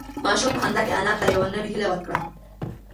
ماشوم په خندا کې انا ته یوه نوې هیله ورکړه.